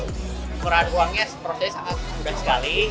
ukuran uangnya prosesnya sangat mudah sekali